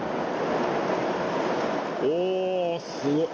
お、すごい！